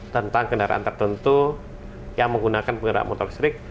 tentang kendaraan tertentu yang menggunakan penggerak motor listrik